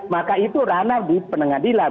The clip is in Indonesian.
maka itu ranah di pengadilan